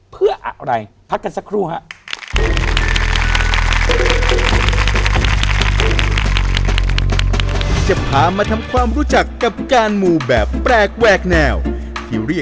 เพื่ออะไร